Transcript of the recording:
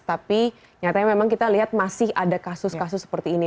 tapi nyatanya memang kita lihat masih ada kasus kasus seperti ini